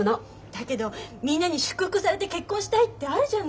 だけどみんなに祝福されて結婚したいってあるじゃない。